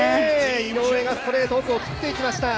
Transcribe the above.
井上がストレート奥を切っていきました。